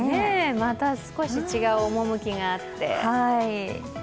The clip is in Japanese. また少し違う趣があって。